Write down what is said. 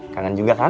kangen juga kan